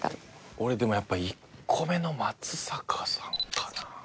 俺はでもやっぱ１個目の松阪さんかな。